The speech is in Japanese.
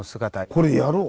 これやろう。